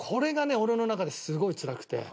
俺の中ですごいつらくて。